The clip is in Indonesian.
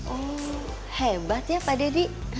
oh hebat ya pak deddy